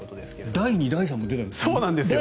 第２、第３も出たんですね。